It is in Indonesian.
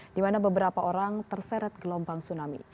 di mana beberapa orang terseret gelombang tsunami